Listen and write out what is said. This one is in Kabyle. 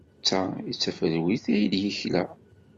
D ta ay d tafelwit ay d-yekla.